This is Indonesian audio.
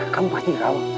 kamu pasti tahu